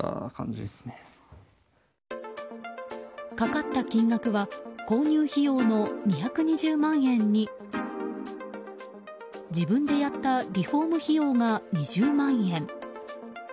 かかった金額は購入費用の２２０万円に自分でやったリフォーム費用が２０万円。